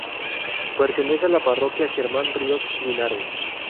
Pertenece a la parroquia Germán Ríos Linares.